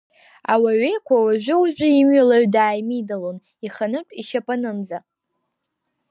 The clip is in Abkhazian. Ауаҩеиқәа уажәы-уажәы имҩалаҩ дааимидалон иханытә ишьапанынӡа.